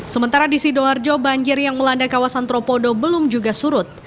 sementara di sidoarjo banjir yang melanda kawasan tropodo belum juga surut